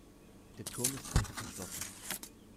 Der Turm ist heute verschlossen.